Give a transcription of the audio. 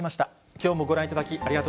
きょうもご覧いただき、ありがと